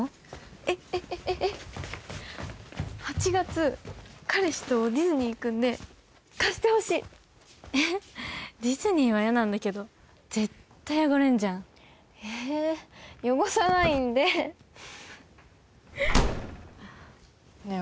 えっえっえっえっえっ８月彼氏とディズニー行くんで貸してほしいっえっディズニーは嫌なんだけど絶対汚れんじゃんええ汚さないんでねえ